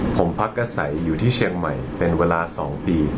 ผมพักอาศัยอยู่ที่เชียงใหม่เป็นเวลา๒ปี